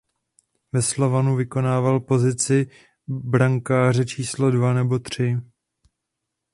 Ve Slovanu vykonával pozici brankáře číslo dva nebo tři.